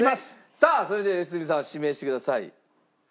さあそれでは良純さん指名してください。